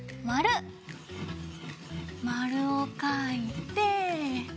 まるをかいて。